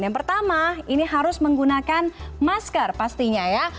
yang pertama ini harus menggunakan masker pastinya ya